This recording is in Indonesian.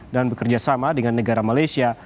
dan bekerjasama dengan negara malaysia